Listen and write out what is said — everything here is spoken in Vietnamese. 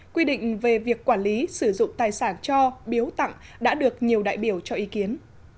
quy định về việc quản lý sử dụng tài sản cho biếu tặng đã được nhiều đại biểu cho ý kiến